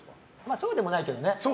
そうでもないけどね。